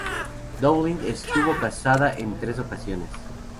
Dowling estuvo casada en tres ocasiones.